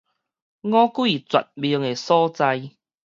五鬼絕命个所在